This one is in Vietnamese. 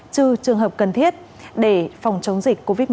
trừ trường hợp cần thiết để phòng chống dịch covid một mươi chín